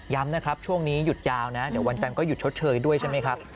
นะครับช่วงนี้หยุดยาวนะเดี๋ยววันจันทร์ก็หยุดชดเชยด้วยใช่ไหมครับ